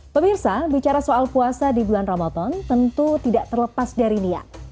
pemirsa bicara soal puasa di bulan ramadan tentu tidak terlepas dari niat